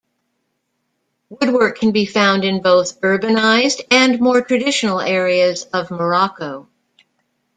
Woodwork can be found in both urbanized and more traditional areas of Morocco.